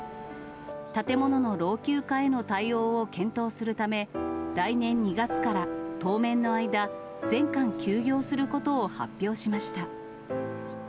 建物の老朽化への対応を検討するため、来年２月から当面の間、全館休業することを発表しました。